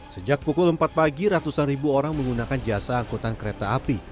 sejak pukul empat pagi ratusan ribu orang menggunakan jasa angkutan kereta api